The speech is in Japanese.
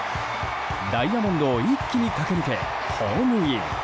ダイヤモンドを一気に駆け抜けホームイン。